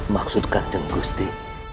maksudkan jeng gusti